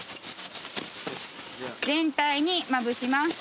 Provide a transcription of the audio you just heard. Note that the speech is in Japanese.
全体にまぶします。